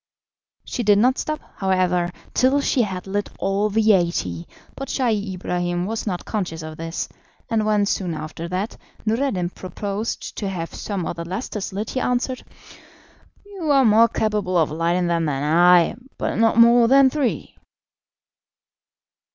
She did not stop, however, till she had lit all the eighty, but Scheih Ibrahim was not conscious of this, and when, soon after that, Noureddin proposed to have some of the lustres lit, he answered: "You are more capable of lighting them than I, but not more than three."